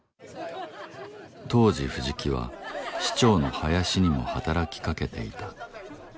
当時藤木は市長の林にも働きかけていた。